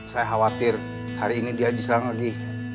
saya khawatir hari ini dia diserang lagi